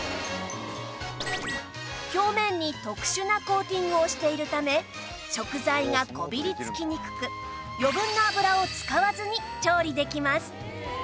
表面に特殊なコーティングをしているため食材がこびり付きにくく余分な油を使わずに調理できます